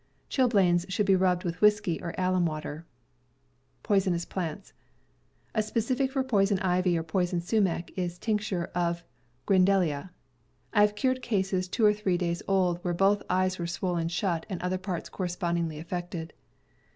Chilblains should be rubbed with whiskey or alum water. A specific for poison ivy or poison sumac is tincture of grindelia. I have cured cases two or three days old, p . where both eyes were swollen shut and other parts correspondingly affected.